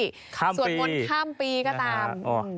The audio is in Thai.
สวดมนต์ข้ามปีก็ตาม